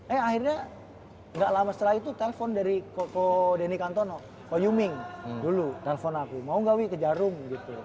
eh akhirnya gak lama setelah itu telpon dari koko denny kantono ko yuming dulu telpon aku mau gak wi ke jarum gitu